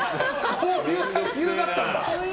こういう俳優だったんだ。